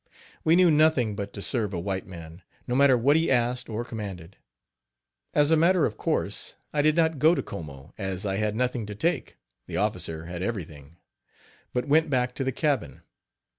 We knew nothing but to serve a white man, no matter what he asked or commanded. As a matter of course, I did not go to Como, as I had nothing to take the officer had everything, but went back to the cabin.